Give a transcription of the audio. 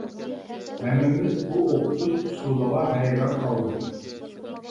ھەممىمىز بۇ ئوقۇتۇش ئۇسۇلىغا ھەيران قالدۇق.